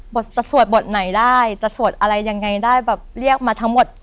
จะสวดบทไหนได้จะสวดอะไรยังไงได้แบบเรียกมาทั้งหมด